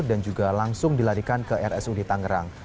dan juga langsung dilarikan ke rsu di tangerang